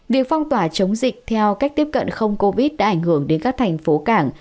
việc phong tỏa chống dịch theo cách tiếp cận không covid đã ảnh hưởng đến các thành phố cảng